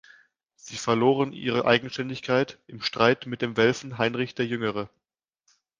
Sie verloren ihre Eigenständigkeit im Streit mit dem Welfen Heinrich der Jüngere.